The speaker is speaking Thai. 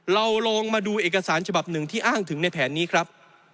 เราลองมาดูเอกสารฉบับหนึ่งที่อ้างถึงในแผนนี้ครับ